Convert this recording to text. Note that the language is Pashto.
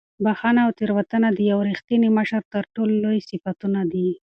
بښنه او تېرېدنه د یو رښتیني مشر تر ټولو لوی صفتونه دي.